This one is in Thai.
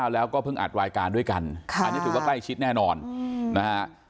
แล้วก็เพิ่งอัดรายการด้วยกันอันนี้ถือว่าใกล้ชิดแน่นอนนะฮะ